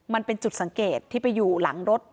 มันเป็นจุดสังเกตที่ไปอยู่หลังรถ